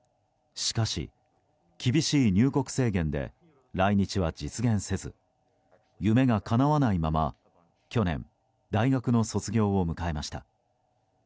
しかし、厳しい入国制限で来日は実現せず夢がかなわないまま、去年大学の卒業を迎えました。